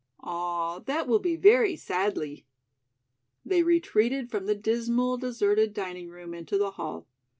Ah, that will be very sadlee." They retreated from the dismal, deserted dining room into the hall.